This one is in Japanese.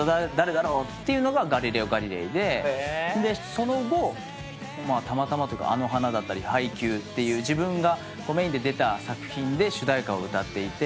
その後『あの花』だったり『ハイキュー！！』っていう自分がメインで出た作品で主題歌を歌っていて。